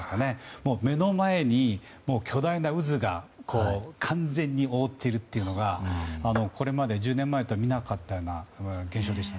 目の前に巨大な渦が完全に覆っているっていうのがこれまで１０年前では見なかったような現象でした。